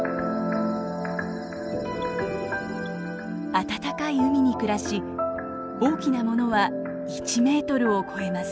暖かい海に暮らし大きなものは１メートルを超えます。